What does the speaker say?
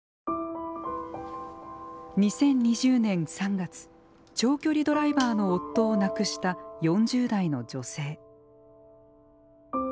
２０２０年３月長距離ドライバーの夫を亡くした４０代の女性。